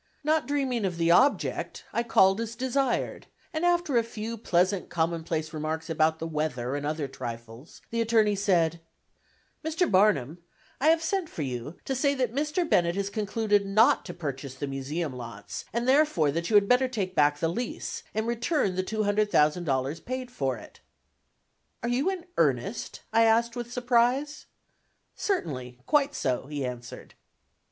Not dreaming of the object I called as desired, and after a few pleasant commonplace remarks about the weather, and other trifles, the attorney said: "Mr. Barnum, I have sent for you to say that Mr. Bennett has concluded not to purchase the museum lots, and therefore that you had better take back the lease, and return the $200,000 paid for it." "Are you in earnest?" I asked with surprise. "Certainly, quite so," he answered.